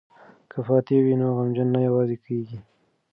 که فاتحه وي نو غمجن نه یوازې کیږي.